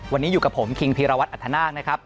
วันนี้อยู่กับผมฮิงพิราวัตน์อัทธานาค